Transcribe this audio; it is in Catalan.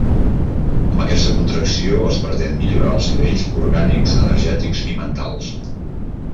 Amb aquesta contracció es pretén millorar els nivells orgànics, energètics i mentals.